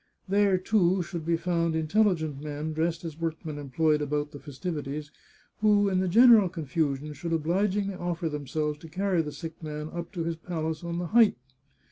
There, too, should be found intelligent men, dressed as workmen employed about the festivities, who, in the general confusion, should obligingly offer themselves to carry the sick man up to his palace on the height.